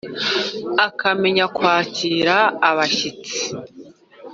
akamenya kwakira abashyitsi.”